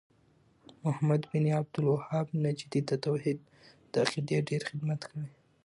محمد بن عبد الوهاب نجدي د توحيد د عقيدې ډير خدمت کړی